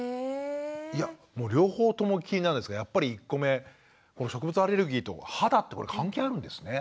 いやもう両方とも気になるんですけどやっぱり１個目この食物アレルギーと肌ってこれ関係あるんですね。